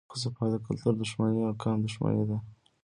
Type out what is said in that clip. خو صفا د کلتور دښمني او قام دښمني ده